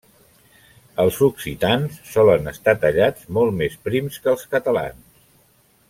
Els occitans solen estar tallats molt més prims que els catalans.